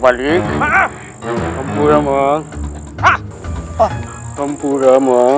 harusnya kamu yang jum tangan